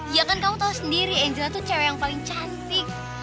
iya kan kamu tau sendiri angela tuh cewe yang paling cantik